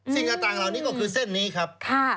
สิ่งต่างเหล่านี้ก็คือเส้นนี้ครับ